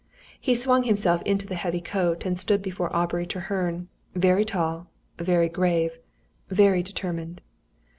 He swung himself into the heavy coat, and stood before Aubrey Treherne very tall, very grave, very determined.